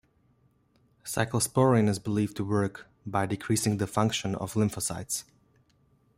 Ciclosporin is believed to work by decreasing the function of lymphocytes.